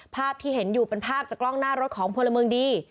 ภาพที่เห็นอยู่เป็นภาพจากกล้องหน้ารถของพลเมืองดี